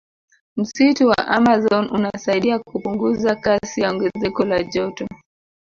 Msitu wa amazon unasaidia kupunguza kasi ya ongezeko la joto